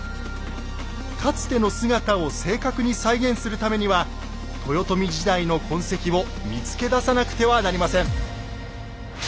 かつての姿を正確に再現するためには豊臣時代の痕跡を見つけ出さなくてはなりません。